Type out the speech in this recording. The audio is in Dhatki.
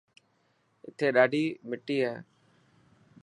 اٿي ڏاڌي مٽي هي.